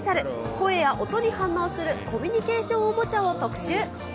声や音に反応するコミュニケーションおもちゃを特集。